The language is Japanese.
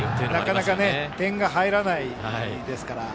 なかなか点が入らないですから。